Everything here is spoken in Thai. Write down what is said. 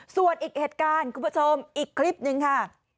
ส่วนอีกเหตุการณ์คุณผู้ชมอีกคลิปหนึ่งค่ะ